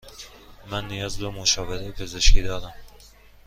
من نیاز به مشاوره پزشکی دارم.